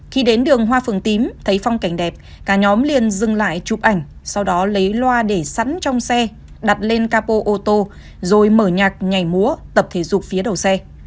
khi đến đường hoa phường tím thấy phong cảnh đẹp cả nhóm liền dừng lại chụp ảnh sau đó lấy loa để sẵn trong xe đặt lên capo ô tô rồi mở nhạc nhảy múa tập thể dục phía đầu xe